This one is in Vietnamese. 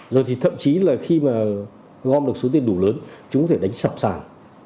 rồi thì thậm chí là khi mà gom được số tiền đủ lớn chúng có thể đánh sập sản